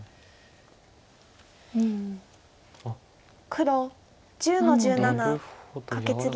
黒１０の十七カケツギ。